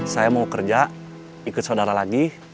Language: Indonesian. saya mau kerja ikut saudara lagi